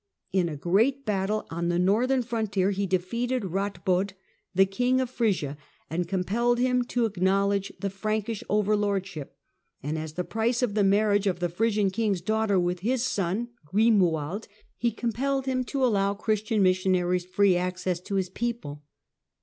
In a great battle on the northern frontier he defeated Katbod, the King of Frisia, and compelled him to ac knowledge the Frankish overlordship, and, as the price of the marriage of the Frisian king's daughter with his son Grimoald, he compelled him to allow Christian missionaries free access to his people.